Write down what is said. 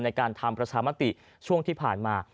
ในการทำประชามติช่วงที่ผ่านมา